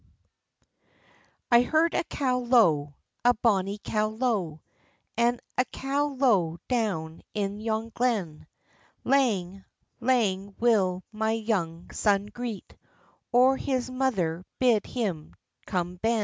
I HEARD a cow low, a bonnie cow low, An' a cow low down in yon glen; Lang, lang will my young son greet, Or his mither bid him come ben.